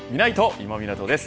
今湊です。